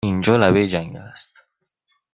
اینجا لبه جنگل است!